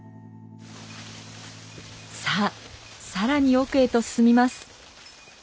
さあ更に奥へと進みます。